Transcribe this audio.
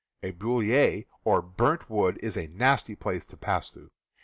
A hrule or burnt wood is a nasty place to pass through.